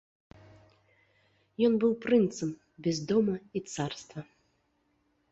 Ён быў прынцам без дома і царства.